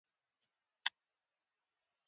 د پښتو د ژوندي ساتلو لارې